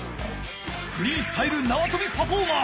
フリースタイルなわとびパフォーマー！